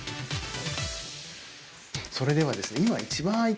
それではですね